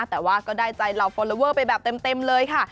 แต่ว่าก็ได้ใจเหล่าฟอลลอเวอร์ไปแบบเต็มเลยค่ะ